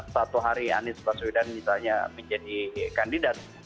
satu hari anies baswedan misalnya menjadi kandidat